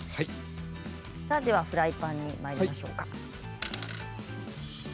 フライパンにまいりましょうか。